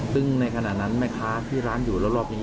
ซึ่งในขณะนั้นแม่ค้าที่ร้านอยู่รอบนี้